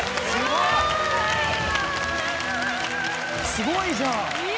すごいじゃん！